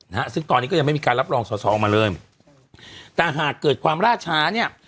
นะฮะซึ่งตอนนี้ก็ยังไม่มีการรับรองสอสอออกมาเลยแต่หากเกิดความล่าช้าเนี่ย